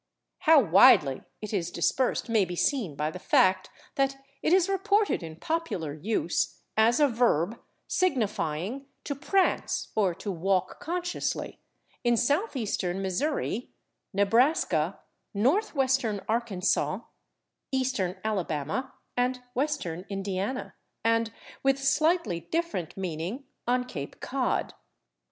How widely it is dispersed may be seen by the fact that it is reported in popular use, as a verb signifying to prance or to walk consciously, in Southeastern Missouri, Nebraska, Northwestern Arkansas, Eastern Alabama and Western Indiana, and, with slightly different meaning, on Cape Cod.